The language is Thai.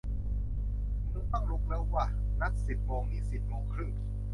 มึงต้องลุกแล้วว่ะ นัดสิบโมง นี่สิบโมงครึ่ง